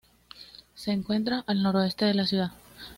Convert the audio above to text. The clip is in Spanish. Se encuentra al noroeste de la ciudad.